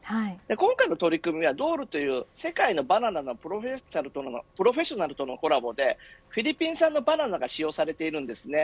今回の取り組みはＤｏｌｅという世界のバナナのプロフェッショナルとのコラボでフィリピン産のバナナが使用されているんですね。